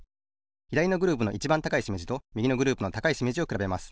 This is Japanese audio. ひだりのグループのいちばん高いしめじとみぎのグループの高いしめじをくらべます。